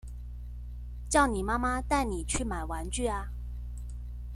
叫你媽媽帶你去買玩具啊